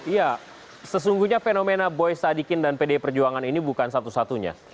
iya sesungguhnya fenomena boy sadiqin dan pd perjuangan ini bukan satu satunya